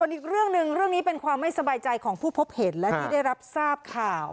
อีกเรื่องหนึ่งเรื่องนี้เป็นความไม่สบายใจของผู้พบเห็นและที่ได้รับทราบข่าว